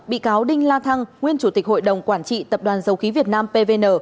bị cáo đinh la thăng nguyên chủ tịch hội đồng quản trị tập đoàn dầu khí việt nam pvn